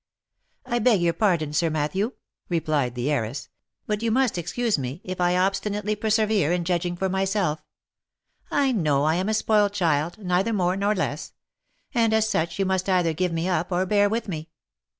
" I beg your pardon, Sir Matthew," replied the heiress, " but you must excuse me if I obstinately persevere in judging for myself; I know I am a spoiled child, neither more nor less ; and as such you must either give me up or bear with me.